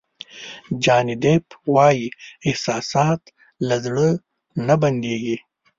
جاني دیپ وایي احساسات له زړه نه بندېږي.